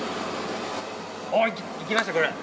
いきましたこれ。